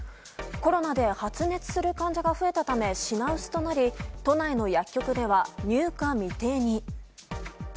コロナで発熱する患者が増えたため品薄となり都内の薬局では入荷未定に。